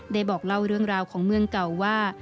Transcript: บอกเล่าเรื่องราวของเมืองเก่าว่า